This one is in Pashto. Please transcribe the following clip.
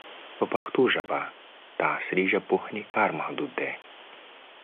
په پښتو ژبه د عصري ژبپوهنې کار محدود دی.